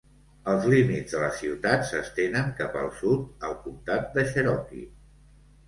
Els límits de la ciutat s'estenen cap al sud al Comtat de Cherokee.